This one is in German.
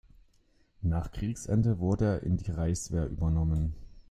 Nach Kriegsende wurde er in die Reichswehr übernommen.